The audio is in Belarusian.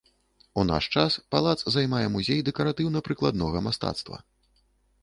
У наш час палац займае музей дэкаратыўна-прыкладнога мастацтва.